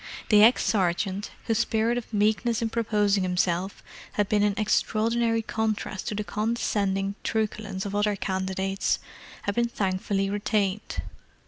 The ex sergeant, whose spirit of meekness in proposing himself had been in extraordinary contrast to the condescending truculence of other candidates, had been thankfully retained.